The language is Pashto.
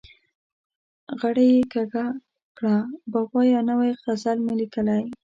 غړۍ یې کږه کړه: بابا یو نوی غزل مې لیکلی.